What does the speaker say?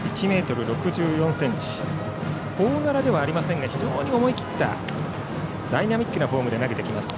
大柄ではありませんが非常に思い切ったダイナミックなフォームで冨井は投げてきます。